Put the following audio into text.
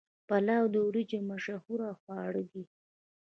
پلاو د وریجو مشهور خواړه دي.